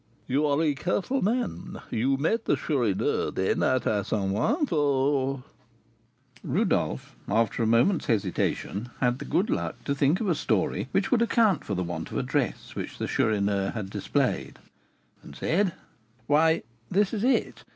"You are a careful man. You met the Chourineur, then, at St. Ouen, for " Rodolph, after a moment's hesitation, had the good luck to think of a story which would account for the want of address which the Chourineur had displayed, and said: "Why, this it is.